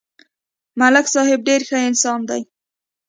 ملک صاحب ډېر ښه انسان دی